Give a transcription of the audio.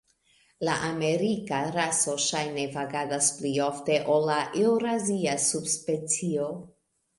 La amerika raso ŝajne vagadas pli ofte ol la eŭrazia subspecio.